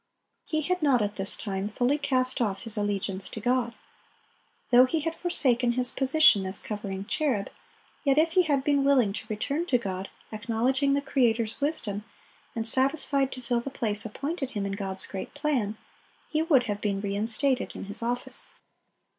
He had not at this time fully cast off his allegiance to God. Though he had forsaken his position as covering cherub, yet if he had been willing to return to God, acknowledging the Creator's wisdom, and satisfied to fill the place appointed him in God's great plan, he would have been re instated in his office.